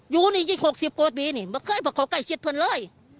อยู่นี่ยิ่ง๖๐๖๐ปีไม่เคยประโยชน์ใกล้ชิดเพิ่มเลย